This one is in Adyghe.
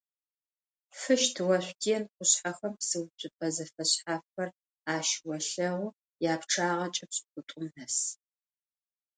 Фыщт-Ошъутен къушъхьэхэм псыуцупӏэ зэфэшъхьафхэр ащыолъэгъу, япчъагъэкӏэ пшӏыкӏутӏум нэс.